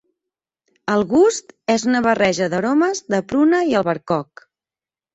El gust és una barreja d'aromes de pruna i albercoc.